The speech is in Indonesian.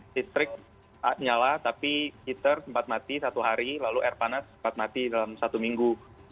listrik nyala tapi kiter sempat mati satu hari lalu air panas sempat mati dalam satu minggu